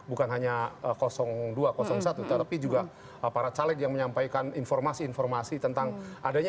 bukan hanya dua satu tapi juga para caleg yang menyampaikan informasi informasi tentang adanya